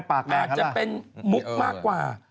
อาจจะเป็นมุกมากกว่า